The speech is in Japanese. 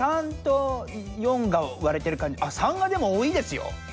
３と４がわれてるかんじあっ３がでもおおいですよ。